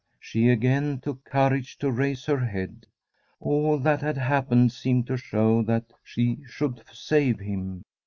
She again took courage to raise her head. All that had happened seemed to show that she should save him.